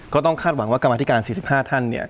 ก็ต้องคาดหวังว่ากรรมธิการ๔๕ท่าน